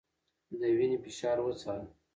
د وينې فشار وڅاره